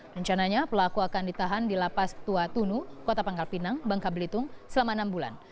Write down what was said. rencananya pelaku akan ditahan di lapas tua tunu kota pangkal pinang bangka belitung selama enam bulan